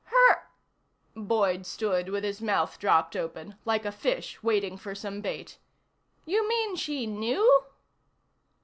"Her " Boyd stood with his mouth dropped open, like a fish waiting for some bait. "You mean she knew?"